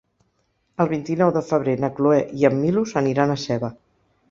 El vint-i-nou de febrer na Cloè i en Milos aniran a Seva.